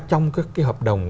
trong các cái hợp đồng